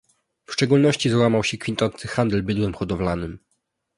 W szczególności załamał się kwitnący handel bydłem hodowlanym